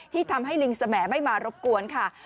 ที่ทำให้ลิงสแหมไม่มารบกวนค่ะ